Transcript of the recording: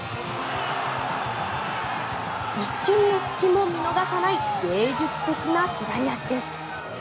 一瞬の隙も見逃さない芸術的な左足です。